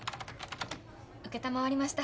承りました。